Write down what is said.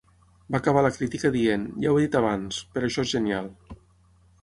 Va acabar la crítica dient: "Ja ho he dit abans... però això és genial".